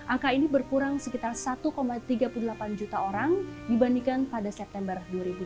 angka ini berkurang sekitar satu tiga puluh delapan juta orang dibandingkan pada september dua ribu dua puluh